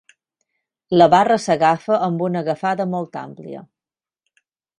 La barra s'agafa amb una agafada molt àmplia.